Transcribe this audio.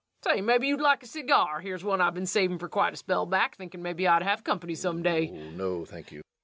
Say, mebbe you'd like a seggar. Here's one I been savin' fer quite a spell back, thinkin' mebbe I'd have company some day.